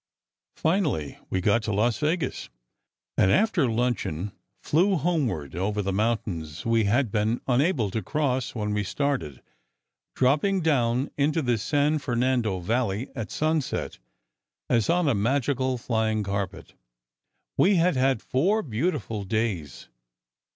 Finally, we got to Las Vegas, and after luncheon flew homeward, over the mountains we had been unable to cross when we started, dropping down into the San Fernando Valley at sunset, as on a magical flying carpet. We had had four beautiful days.